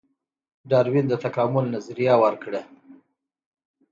ډاروین د تکامل نظریه ورکړه